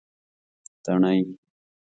تڼۍ